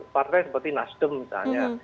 partai seperti nasdem misalnya